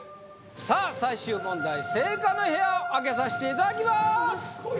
さあ最終問題正解の部屋を開けさしていただきまーす！